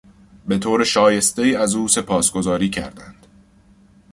به طور شایستهای از او سپاسگزاری کردند.